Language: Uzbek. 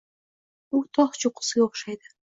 U tog’ cho’qqisiga o’xshaydi.